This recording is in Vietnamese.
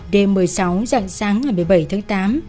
đêm một mươi sáu dạng sáng ngày một mươi bảy tháng tám